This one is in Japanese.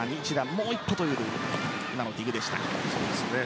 もう１歩という今のディグでした。